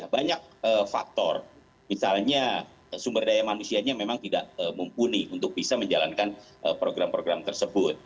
banyak faktor misalnya sumber daya manusianya memang tidak mumpuni untuk bisa menjalankan program program tersebut